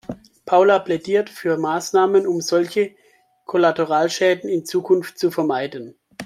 Paula plädiert für Maßnahmen, um solche Kollateralschäden in Zukunft zu vermeiden.